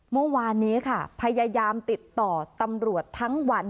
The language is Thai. เมื่อวานนี้ค่ะพยายามติดต่อตำรวจทั้งวัน